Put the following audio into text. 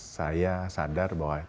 saya sadar bahwa tantangan